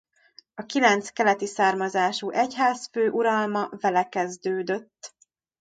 A kilenc keleti származású egyházfő uralma vele kezdődött.